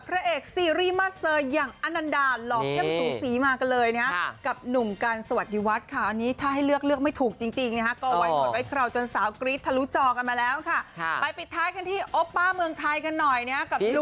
ไปปิดท้ายกันที่โอป้าเมืองไทยกันหน่อยนะกับลุงฟันนี่